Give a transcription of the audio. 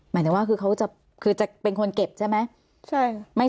หมายถึงว่าคือเขาจะคือจะเป็นคนเก็บใช่ไหม